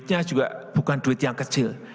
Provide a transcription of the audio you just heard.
artinya juga bukan duit yang kecil